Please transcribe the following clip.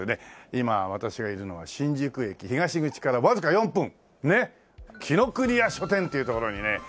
今私がいるのは新宿駅東口からわずか４分ねっ紀伊國屋書店っていう所にねいますね。